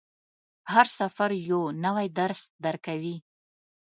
هر سفر یو نوی درس درکوي.